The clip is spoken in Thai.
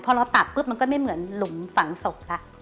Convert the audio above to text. พอเราตัดปุ๊บมันก็ไม่เหมือนหลุมฝังศพละ